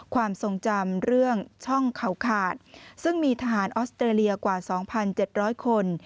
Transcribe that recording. ความทรงจำเรื่องช่องเขาขาดซึ่งมีทหารออสเตรเลียกว่า๒๗๐๐คน